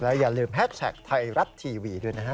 อย่าลืมแฮชแท็กไทยรัฐทีวีด้วยนะฮะ